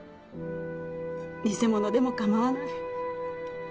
偽物でもかまわない。